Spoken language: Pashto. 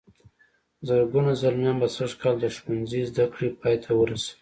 زرګونه زلميان به سږ کال د ښوونځي زدهکړې پای ته ورسوي.